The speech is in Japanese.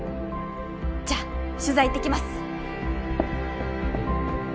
じゃあ取材行ってきます。